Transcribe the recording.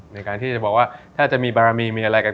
ในการที่จะบอกว่าถ้าจะมีบารมีมีอะไรกัน